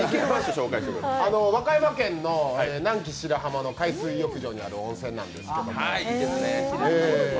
和歌山県の南紀白浜の海水浴場にある温泉なんですけど。